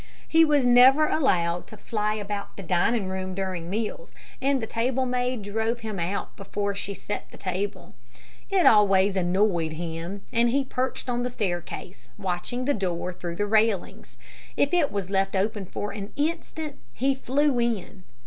He was never allowed to fly about the dining room during meals, and the table maid drove him out before she set the table. It always annoyed him, and he perched on the staircase, watching the door through the railings. If it was left open for an instant, he flew in.